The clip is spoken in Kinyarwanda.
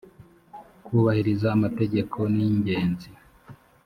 kubahiriza amategeko ningenzi